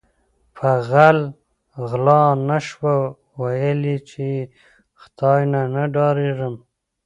په غل غلا نشوه ویل یی چې ی خدای نه ډاریږم